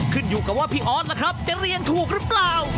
ขึ้นอยู่กับว่าพี่อ้อนจะเรียนถูกหรือเปล่า